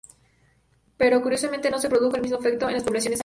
Pero, curiosamente, no se produjo el mismo efecto en las poblaciones aledañas.